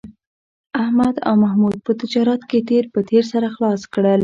احمد او محمود په تجارت کې تېر په تېر سره خلاص کړل